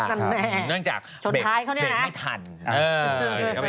นั่นแน่ชนท้ายเขาเนี่ยนะนั่นแน่นั่นจากเบ็ดไม่ทัน